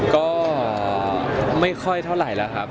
ก็ไม่ค่อยเท่าไหร่แล้วครับ